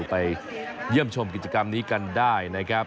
ไปเยี่ยมชมกิจกรรมนี้กันได้นะครับ